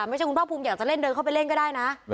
ไม่ใช่คุณภาคภูมิอยากจะเล่นเดินเข้าไปเล่นก็ได้นะ